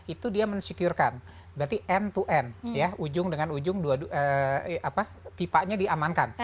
itu dia mensecurekan berarti end to end ya ujung dengan ujung pipanya diamankan